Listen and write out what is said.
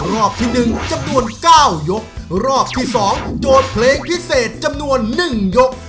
ที่หนึ่งจำนวนเก้ายกรอบที่สองโจทย์เพลงพิเศษจำนวนหนึ่งยก